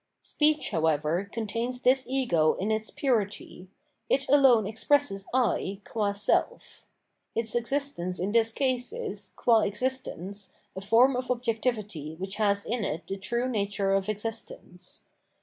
Speech, however, contains this ego in its 513 Culture and its SfJiere of Reality purity ; it alone expresses I, qua self. Its existence in this case is, qua existence, a form of obj ectivity which has in it the true nature of existence.